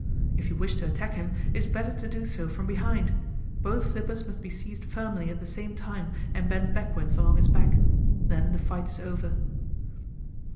If you wish to attack him, it is better to do so from behind; both flippers must be seized firmly at the same time and bent backwards along his back; then the fight is over.